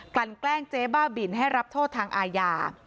ลั่นแกล้งเจ๊บ้าบินให้รับโทษทางอาญา